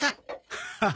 ハハハ